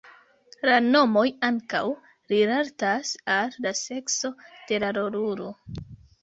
La nomoj ankaŭ rilatas al la sekso de la rolulo.